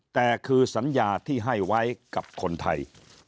แต่คือสัญญาที่ให้ไว้กับคนไทย